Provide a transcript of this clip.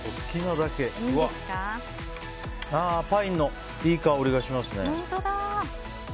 パインのいい香りがしますね。